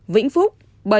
vĩnh phúc bảy